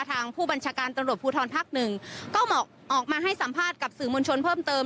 ทางผู้บัญชาการตำรวจภูทรภักดิ์หนึ่งก็ออกมาให้สัมภาษณ์กับสื่อมวลชนเพิ่มเติม